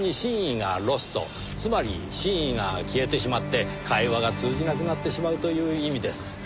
つまり真意が消えてしまって会話が通じなくなってしまうという意味です。